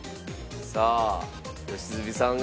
さあ良純さんが。